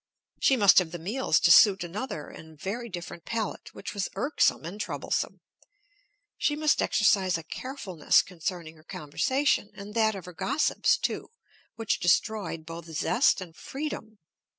She must have the meals to suit another and very different palate, which was irksome and troublesome. She must exercise a carefulness concerning her conversation, and that of her gossips, too, which destroyed both zest and freedom.